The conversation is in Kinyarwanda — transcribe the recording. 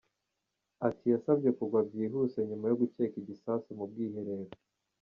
Ati "Yasabye kugwa byihuse nyuma yo gukeka igisasu mu bwiherero.